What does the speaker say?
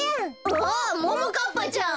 あっももかっぱちゃん。